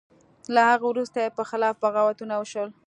له هغه وروسته یې په خلاف بغاوتونه وشول.